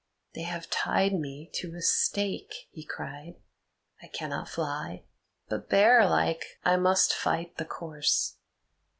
"They have tied me to a stake," he cried. "I cannot fly, but, bear like, I must fight the course.